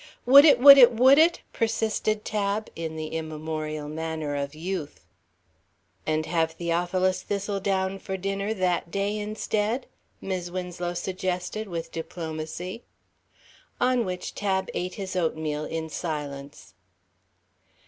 "Would it, would it, would it?" persisted Tab, in the immemorial manner of youth. "And have Theophilus Thistledown for dinner that day instead?" Mis' Winslow suggested with diplomacy. On which Tab ate his oatmeal in silence.